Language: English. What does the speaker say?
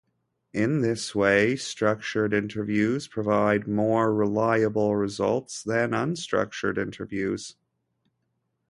In this way, structured interviews provide more reliable results than unstructured interviews.